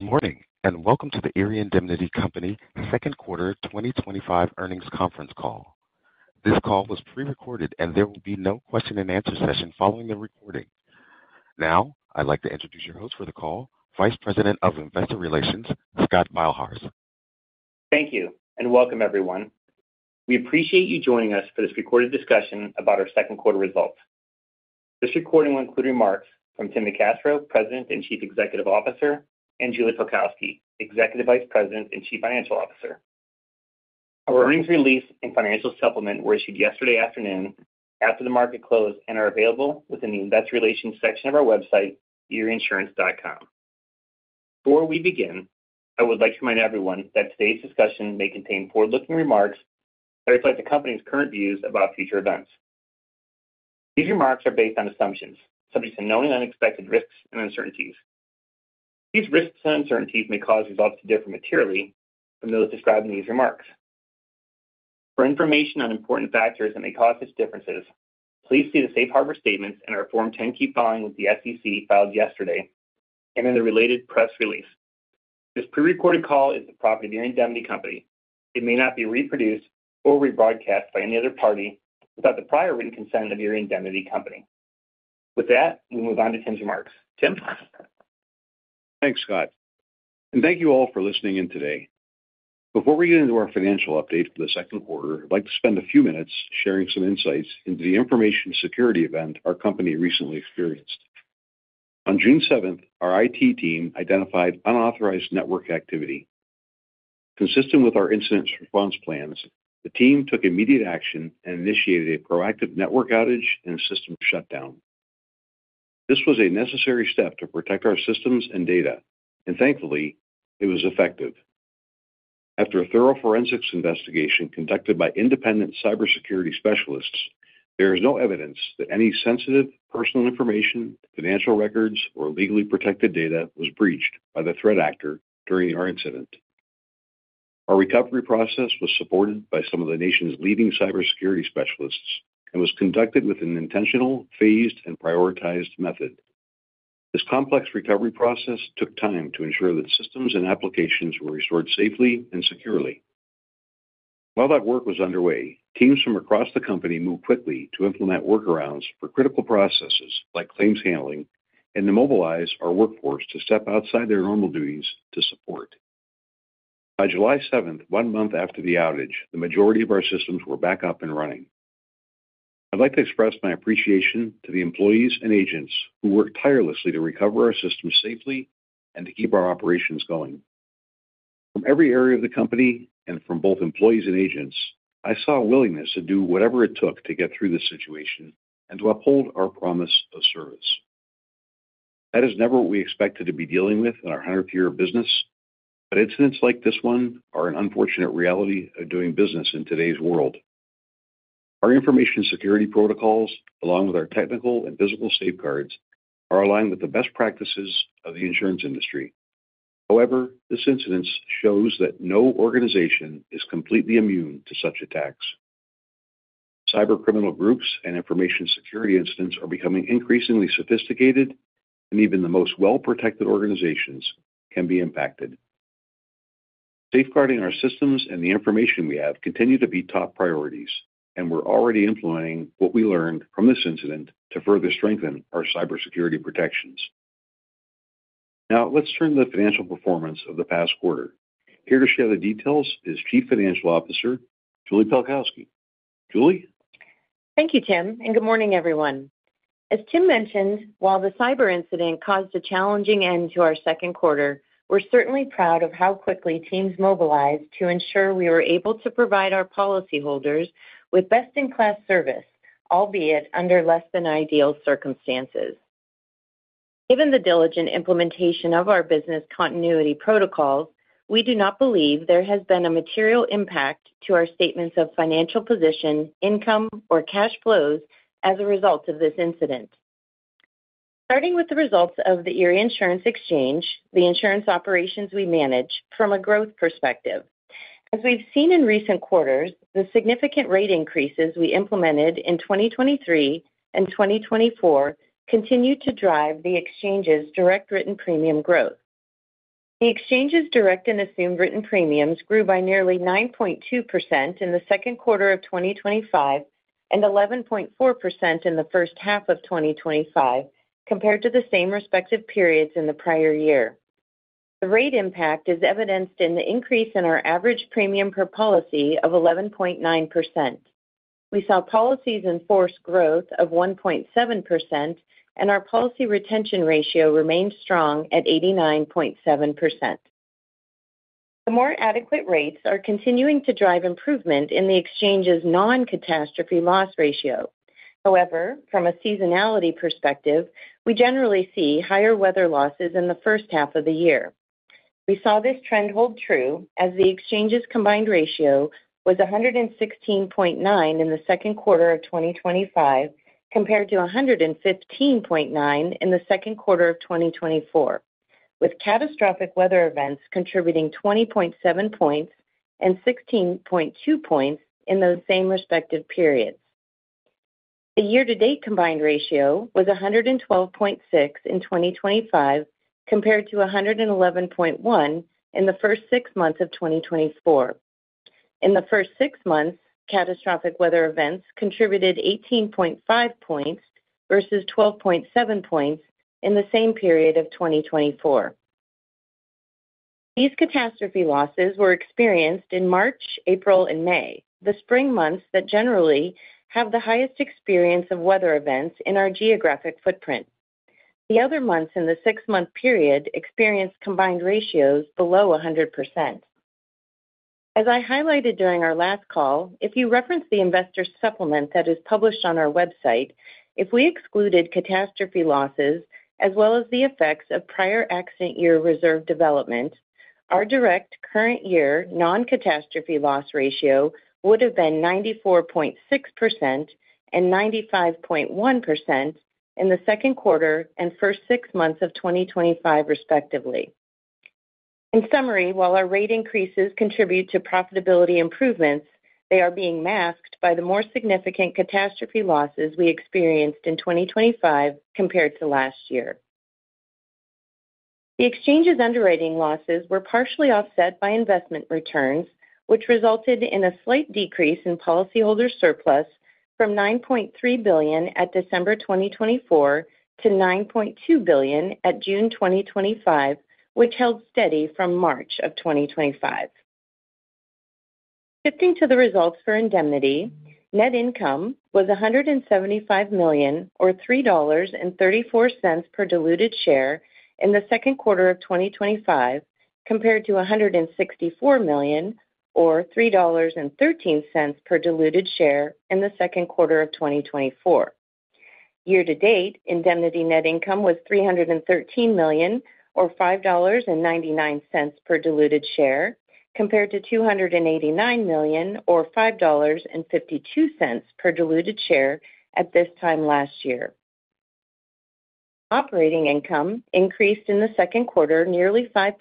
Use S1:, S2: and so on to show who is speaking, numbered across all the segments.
S1: Morning and Welcome to the Erie Indemnity Company Second Quarter 2025 Earnings Conference Call. This call was pre-recorded, and there will be no question and answer session following the recording. Now, I'd like to introduce your host for the call, Vice President of Investor Relations, Scott Beilharz.
S2: Thank you and welcome, everyone. We appreciate you joining us for this recorded discussion about our second quarter results. This recording will include remarks from Timothy NeCastro, President and Chief Executive Officer, and Julie Pelkowski, Executive Vice President and Chief Financial Officer. Our earnings release and financial supplement were issued yesterday afternoon after the market close and are available within the Investor Relations section of our website, erieinsurance.com. Before we begin, I would like to remind everyone that today's discussion may contain forward-looking remarks that reflect the company's current views about future events. These remarks are based on assumptions subject to known and unexpected risks and uncertainties. These risks and uncertainties may cause results to differ materially from those described in these remarks. For information on important factors that may cause these differences, please see the safe harbor statements in our Form 10-K filed with the SEC yesterday and in the related press release. This pre-recorded call is the property of Erie Indemnity Company. It may not be reproduced or rebroadcast by any other party without the prior written consent of Erie Indemnity Company. With that, we'll move on to Tim's remarks. Tim?
S1: Thanks, Scott. Thank you all for listening in today. Before we get into our financial update for the second quarter, I'd like to spend a few minutes sharing some insights into the information security event our company recently experienced. On June 7th, our IT team identified unauthorized network activity. Consistent with our incident response plans, the team took immediate action and initiated a proactive network outage and system shutdown. This was a necessary step to protect our systems and data, and thankfully, it was effective. After a thorough forensics investigation conducted by independent cybersecurity specialists, there is no evidence that any sensitive personal information, financial records, or legally protected data was breached by the threat actor during our incident. Our recovery process was supported by some of the nation's leading cybersecurity specialists and was conducted with an intentional, phased, and prioritized method. This complex recovery process took time to ensure that systems and applications were restored safely and securely. While that work was underway, teams from across the company moved quickly to implement workarounds for critical processes like claims handling and to mobilize our workforce to step outside their normal duties to support. By July 7th, one month after the outage, the majority of our systems were back up and running. I'd like to express my appreciation to the employees and agents who worked tirelessly to recover our systems safely and to keep our operations going. From every area of the company and from both employees and agents, I saw a willingness to do whatever it took to get through this situation and to uphold our promise of service. That is never what we expected to be dealing with in our 100th year of business, but incidents like this one are an unfortunate reality of doing business in today's world. Our information security protocols, along with our technical and physical safeguards, are aligned with the best practices of the insurance industry. However, this incident shows that no organization is completely immune to such attacks. Cybercriminal groups and information security incidents are becoming increasingly sophisticated, and even the most well-protected organizations can be impacted. Safeguarding our systems and the information we have continue to be top priorities, and we're already implementing what we learned from this incident to further strengthen our cybersecurity protections. Now, let's turn to the financial performance of the past quarter. Here to share the details is Chief Financial Officer, Julie Pelkowski. Julie?
S3: Thank you, Tim, and good morning, everyone. As Tim mentioned, while the cyber incident caused a challenging end to our second quarter, we're certainly proud of how quickly teams mobilized to ensure we were able to provide our policyholders with best-in-class service, albeit under less than ideal circumstances. Given the diligent implementation of our business continuity protocols, we do not believe there has been a material impact to our statements of financial position, income, or cash flows as a result of this incident. Starting with the results of the Erie Insurance Exchange, the insurance operations we manage from a growth perspective. As we've seen in recent quarters, the significant rate increases we implemented in 2023 and 2024 continue to drive the exchange's direct written premium growth. The exchange's direct and assumed written premiums grew by nearly 9.2% in the second quarter of 2025 and 11.4% in the first half of 2025, compared to the same respective periods in the prior year. The rate impact is evidenced in the increase in our average premium per policy of 11.9%. We saw policies in force growth of 1.7%, and our policy retention ratio remains strong at 89.7%. The more adequate rates are continuing to drive improvement in the exchange's non-catastrophe loss ratio. However, from a seasonality perspective, we generally see higher weather losses in the first half of the year. We saw this trend hold true as the exchange's combined ratio was 116.9 in the second quarter of 2025, compared to 115.9 in the second quarter of 2024, with catastrophic weather events contributing 20.7 points and 16.2 points in those same respective periods. The year-to-date combined ratio was 112.6 in 2025, compared to 111.1 in the first six months of 2024. In the first six months, catastrophic weather events contributed 18.5 points versus 12.7 points in the same period of 2024. These catastrophe losses were experienced in March, April, and May, the spring months that generally have the highest experience of weather events in our geographic footprint. The other months in the six-month period experienced combined ratios below 100%. As I highlighted during our last call, if you reference the investor supplement that is published on our website, if we excluded catastrophe losses as well as the effects of prior accident year reserve development, our direct current year non-catastrophe loss ratio would have been 94.6% and 95.1% in the second quarter and first six months of 2025, respectively. In summary, while our rate increases contribute to profitability improvements, they are being masked by the more significant catastrophe losses we experienced in 2025 compared to last year. The Exchange's underwriting losses were partially offset by investment returns, which resulted in a slight decrease in policyholder surplus from $9.3 billion at December 2024-$9.2 billion at June 2025, which held steady from March of 2025. Shifting to the results for Indemnity, net income was $175 million, or $3.34 per diluted share in the second quarter of 2025, compared to $164 million, or $3.13 per diluted share in the second quarter of 2024. Year to date Indemnity net income was $313 million, or $5.99 per diluted share, compared to $289 million, or $5.52 per diluted share at this time last year. Operating income increased in the second quarter nearly 5%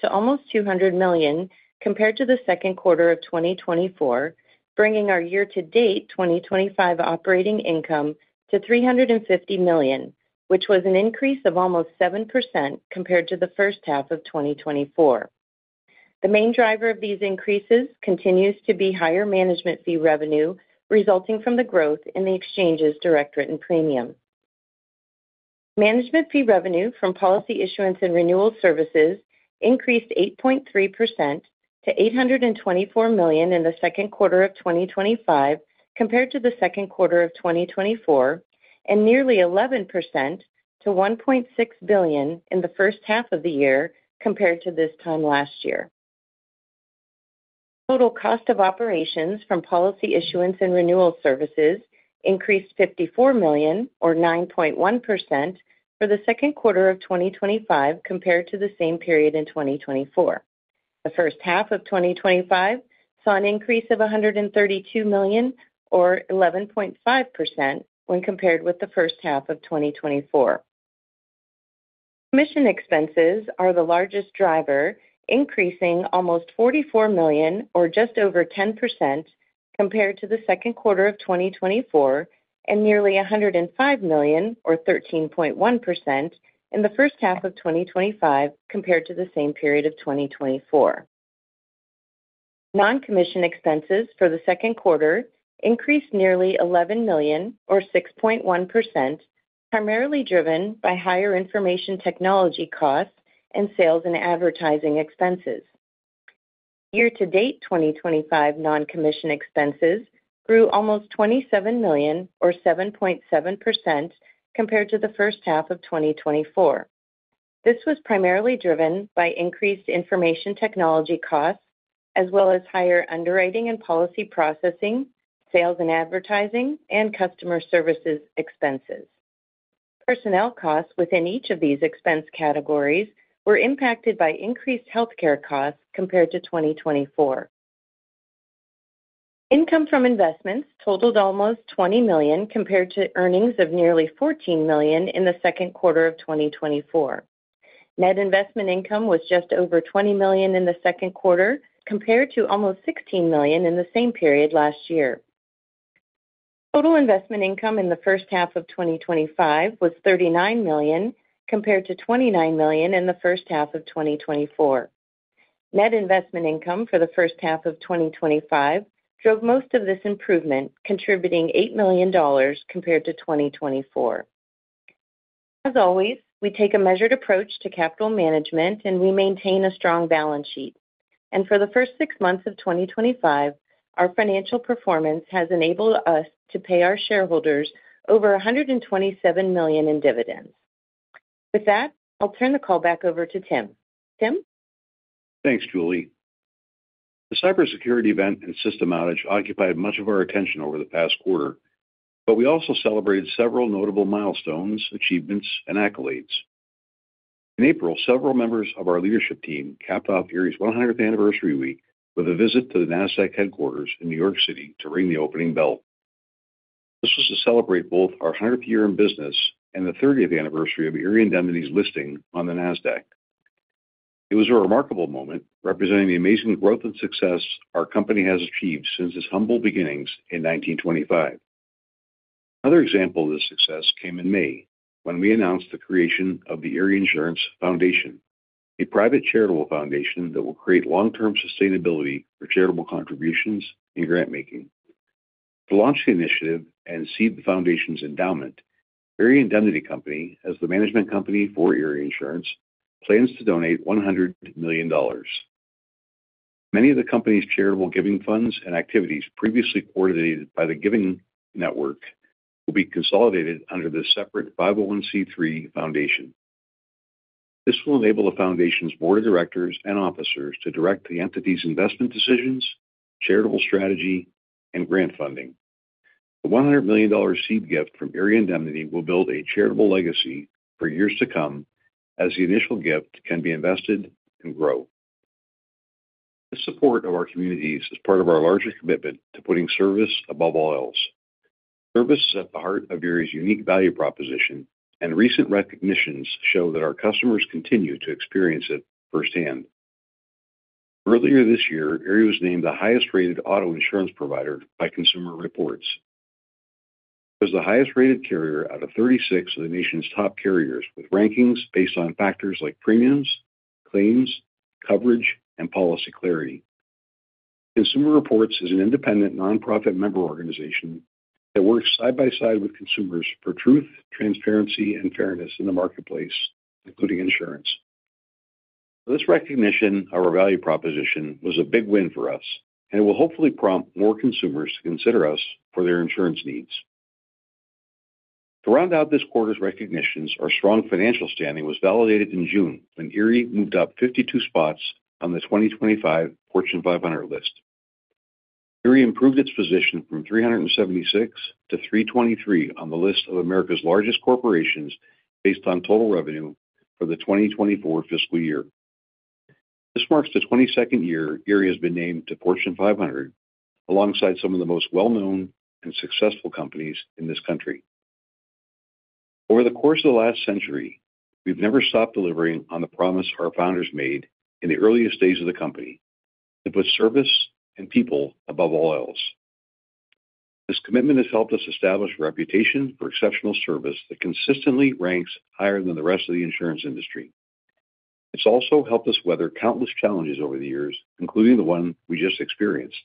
S3: to almost $200 million compared to the second quarter of 2024, bringing our year to date 2025 operating income to $350 million, which was an increase of almost 7% compared to the first half of 2024. The main driver of these increases continues to be higher management fee revenue resulting from the growth in the Exchange's direct written premium. Management fee revenue from policy issuance and renewal services increased 8.3% to $824 million in the second quarter of 2025 compared to the second quarter of 2024, and nearly 11% to $1.6 billion in the first half of the year compared to this time last year. Total cost of operations from policy issuance and renewal services increased $54 million, or 9.1% for the second quarter of 2025 compared to the same period in 2024. The first half of 2025 saw an increase of $132 million, or 11.5% when compared with the first half of 2024. Commission expenses are the largest driver, increasing almost $44 million, or just over 10% compared to the second quarter of 2024, and nearly $105 million, or 13.1% in the first half of 2025 compared to the same period of 2024. Non-commission expenses for the second quarter increased nearly $11 million, or 6.1%, primarily driven by higher information technology costs and sales and advertising expenses. Year-to-date 2025 non-commission expenses grew almost $27 million, or 7.7% compared to the first half of 2024. This was primarily driven by increased information technology costs, as well as higher underwriting and policy processing, sales and advertising, and customer services expenses. Personnel costs within each of these expense categories were impacted by increased healthcare costs compared to 2024. Income from investments totaled almost $20 million compared to earnings of nearly $14 million in the second quarter of 2024. Net investment income was just over $20 million in the second quarter compared to almost $16 million in the same period last year. Total investment income in the first half of 2025 was $39 million compared to $29 million in the first half of 2024. Net investment income for the first half of 2025 drove most of this improvement, contributing $8 million compared to 2024. We take a measured approach to capital management and we maintain a strong balance sheet. For the first six months of 2025, our financial performance has enabled us to pay our shareholders over $127 million in dividends. With that, I'll turn the call back over to Tim. Tim?
S1: Thanks, Julie. The cybersecurity event and system outage occupied much of our attention over the past quarter, but we also celebrated several notable milestones, achievements, and accolades. In April, several members of our leadership team capped off Erie's 100th anniversary week with a visit to the NASDAQ headquarters in New York City to ring the opening bell. This was to celebrate both our 100th year in business and the 30th anniversary of Erie Indemnity's listing on the NASDAQ. It was a remarkable moment, representing the amazing growth and success our company has achieved since its humble beginnings in 1925. Another example of this success came in May when we announced the creation of the Erie Insurance Foundation, a private charitable foundation that will create long-term sustainability for charitable contributions in grant making. To launch the initiative and seed the foundation's endowment, Erie Indemnity Company, as the management company for Erie Insurance Exchange, plans to donate $100 million. Many of the company's charitable giving funds and activities previously coordinated by the giving network will be consolidated under the separate 501(c)(3) foundation. This will enable the foundation's board of directors and officers to direct the entity's investment decisions, charitable strategy, and grant funding. The $100 million seed gift from Erie Indemnity will build a charitable legacy for years to come as the initial gift can be invested and grow. This support of our communities is part of our largest commitment to putting service above all else. Service is at the heart of Erie's unique value proposition, and recent recognitions show that our customers continue to experience it firsthand. Earlier this year, Erie was named the highest rated auto insurance provider by Consumer Reports. It was the highest rated carrier out of 36 of the nation's top carriers, with rankings based on factors like premiums, claims, coverage, and policy clarity. Consumer Reports is an independent nonprofit member organization that works side by side with consumers for truth, transparency, and fairness in the marketplace, including insurance. This recognition of our value proposition was a big win for us, and it will hopefully prompt more consumers to consider us for their insurance needs. To round out this quarter's recognitions, our strong financial standing was validated in June when Erie moved up 52 spots on the 2025 Fortune 500 list. Erie improved its position from 376-323 on the list of America's largest corporations based on total revenue for the 2024 fiscal year. This marks the 22nd year Erie has been named to the Fortune 500, alongside some of the most well-known and successful companies in this country. Over the course of the last century, we've never stopped delivering on the promise our founders made in the earliest days of the company: to put service and people above all else. This commitment has helped us establish a reputation for exceptional service that consistently ranks higher than the rest of the insurance industry. It's also helped us weather countless challenges over the years, including the one we just experienced.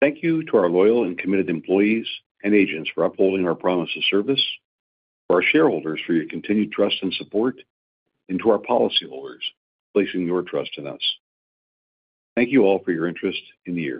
S1: Thank you to our loyal and committed employees and agents for upholding our promise of service, to our shareholders for your continued trust and support, and to our policyholders for placing your trust in us. Thank you all for your interest in Erie.